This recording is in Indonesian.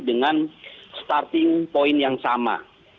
dengan starting point yang sama